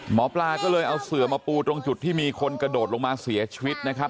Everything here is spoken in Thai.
หมอปลาก็เลยเอาเสือมาปูตรงจุดที่มีคนกระโดดลงมาเสียชีวิตนะครับ